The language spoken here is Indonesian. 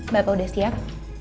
bapak sudah siap